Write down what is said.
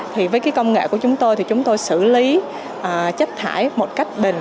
thì với cái công nghệ của chúng tôi thì chúng tôi xử lý chất hải một cách triệt để